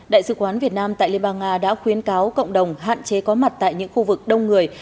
đại sứ quán việt nam tại liên bang nga đã khuyến cáo cộng đồng hạn chế có mặt tại những khu vực đông người